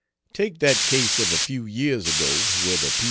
Take that case of a few years ago where the P.